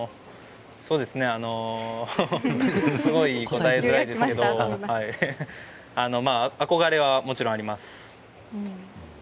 すごい答えづらいですが憧れはもちろんあります。